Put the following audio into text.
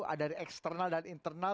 ada dari eksternal dan internal